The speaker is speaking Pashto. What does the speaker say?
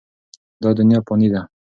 دا دنیا فاني ده.